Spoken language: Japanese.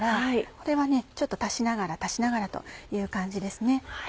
これはちょっと足しながら足しながらという感じですね。